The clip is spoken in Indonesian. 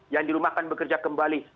yang di rumah kan bekerja kembali